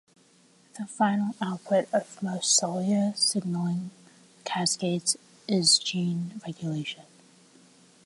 The final output of most cellular signaling cascades is gene regulation.